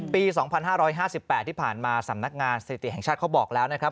ปี๒๕๕๘ที่ผ่านมาสำนักงานสถิติแห่งชาติเขาบอกแล้วนะครับ